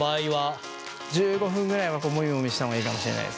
１５分ぐらいはもみもみした方がいいかもしれないですね。